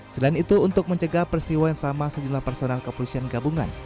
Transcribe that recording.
selain itu untuk mencegah peristiwa yang sama sejumlah personel kepolisian gabungan